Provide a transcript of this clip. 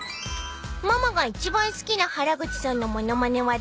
［ママが一番好きな原口さんの物まねは誰？］